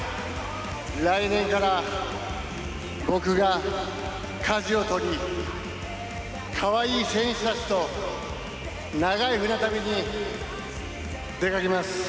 来年から僕がかじを取り、かわいい選手たちと長い船旅に出かけます。